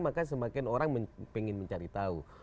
maka semakin orang ingin mencari tahu